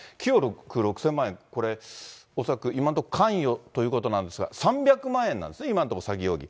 ９億６０００万円、これ、恐らく今のところ、関与ということなんですが、３００万円なんですね、今のところ、詐欺容疑。